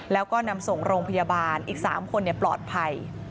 แล้วก็นำส่งโรงพยาบาลอีก๓คนปลอดภัย